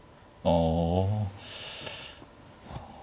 ああ。